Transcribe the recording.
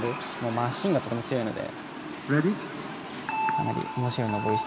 マシーンがとても強いので。